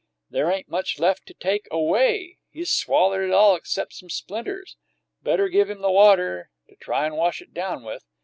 "There ain't much left to take away! He's swallered it all except some splinters. Better give him the water to try and wash it down with."